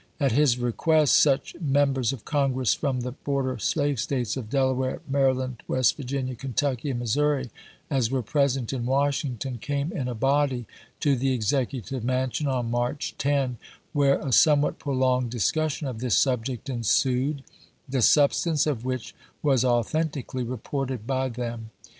At his request such Mem bers of Congress from the border slave States of Delaware, Maryland, West Virginia, Kentucky, and Missouri as were present in Washington came in a body to the Executive Mansion on March 10, where a somewhat prolonged discussion of this subject ensued, the substance of which was authentically reported by them.